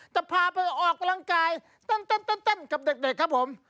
จะพาไปออกกำลังกายเต้นกับเด็กครับผม